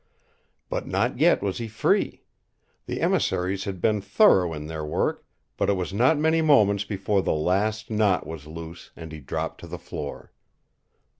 But not yet was he free. The emissaries had been thorough in their work, but it was not many moments before the last knot was loose and he dropped to the floor.